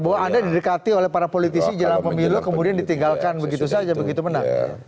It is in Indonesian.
bahwa anda didekati oleh para politisi menjelang pemilu kemudian ditinggalkan begitu saja